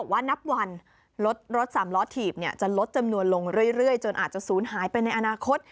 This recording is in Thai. ว่านับวันรถสามล้อถีบจะลดจำนวนลงเรื่อยจนอาจจะศูนย์หายไปในอนาคต